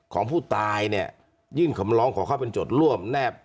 ของผู้ตายเนี่ยยื่นคำร้องขอเข้าเป็นจดร่วมแนบ